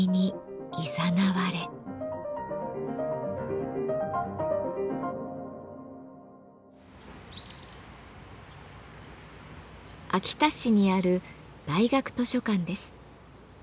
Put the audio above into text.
秋田市にある大学図書館です。